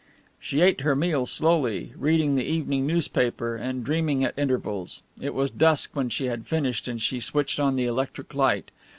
She ate her meal slowly, reading the evening newspaper and dreaming at intervals. It was dusk when she had finished and she switched on the electric light.